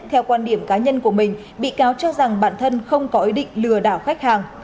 theo quan điểm cá nhân của mình bị cáo cho rằng bản thân không có ý định lừa đảo khách hàng